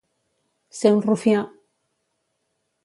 Ser un rufià.